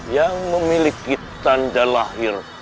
yang memiliki tanda lahir